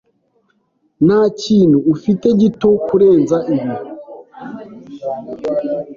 Nta kintu ufite gito kurenza ibi?